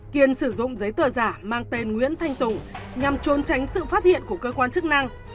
kiên sử dụng giấy tờ giả mang tên nguyễn thanh tùng nhằm trốn tránh sự phát hiện của cơ quan chức năng